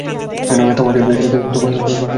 Thomas, please!